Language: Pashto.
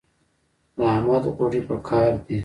د احمد غوړي په کار دي.